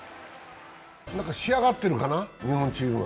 仕上がってるかな、日本チームは。